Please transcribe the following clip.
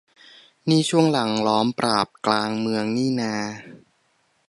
นี่ช่วงหลังล้อมปราบกลางเมืองนี่นา